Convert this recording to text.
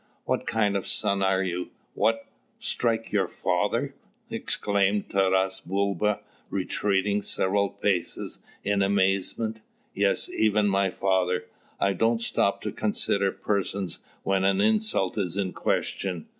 "What kind of son are you? what, strike your father!" exclaimed Taras Bulba, retreating several paces in amazement. "Yes, even my father. I don't stop to consider persons when an insult is in question."